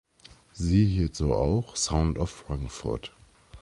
Siehe hierzu auch: Sound of Frankfurt.